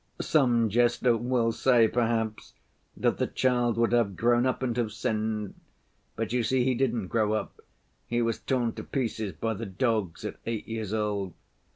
Some jester will say, perhaps, that the child would have grown up and have sinned, but you see he didn't grow up, he was torn to pieces by the dogs, at eight years old.